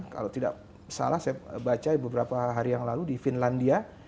kalau tidak salah saya baca beberapa hari yang lalu di finlandia